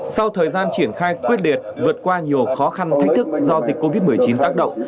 sau thời gian triển khai quyết liệt vượt qua nhiều khó khăn thách thức do dịch covid một mươi chín tác động